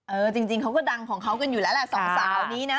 เออจริงเขาก็ดังของเขากันอยู่แล้วแหละสองสาวนี้นะ